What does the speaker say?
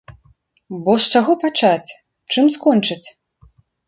Бо з чаго пачаць, чым скончыць?!